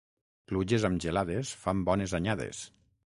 Pluges amb gelades fan bones anyades.